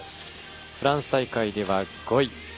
フランス大会では５位。